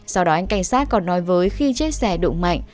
sau đó anh cảnh sát còn nói với khi chế xe đụng mạnh